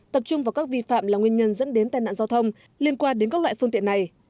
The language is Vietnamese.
tập trung vào các vi phạm là nguyên nhân dẫn đến tai nạn giao thông liên quan đến các loại phương tiện này